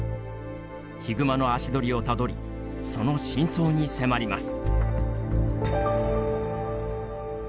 ヒグマの足取りをたどりその真相に迫ります。